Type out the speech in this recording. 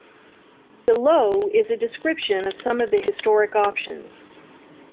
Below is a description of some of the historic options.